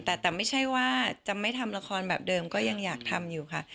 แต่ไม่ใช่ว่าจะไม่ทำละครแบบเดิมก็ยังอยากทำอยู่ค่ะ